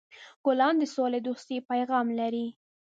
ګلان د سولهدوستۍ پیغام لري.